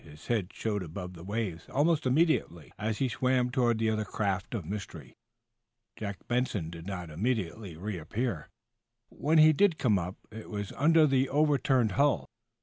His head showed above the waves almost immediately, as he swam toward that other craft of mystery. Jack Benson did not immediately reappear. When he did come up, it was under the over turned hull.